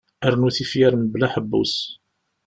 Rnu tifyar mebla aḥebbus.